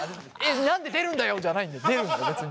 何で出るんだよじゃないんだよ出るんだよ別に。